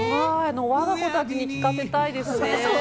わが子たちに聴かせたいですね。